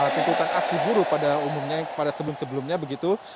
tuntutan aksi buru pada umumnya pada sebelum sebelumnya begitu